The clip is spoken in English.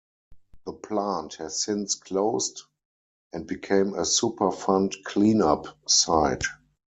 The plant has since closed and became a Superfund cleanup site.